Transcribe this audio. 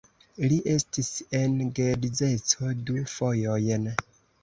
Li estis en geedzeco du fojojn.